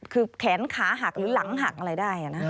คือแขนขาหักหรือหลังหักอะไรได้นะ